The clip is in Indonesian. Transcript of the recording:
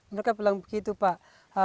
mereka bilang begitu pak